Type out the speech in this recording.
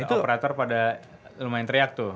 itu operator pada lumayan teriak tuh